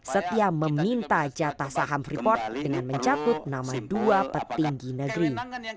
setia meminta jatah saham freeport dengan mencatut nama dua petinggi negeri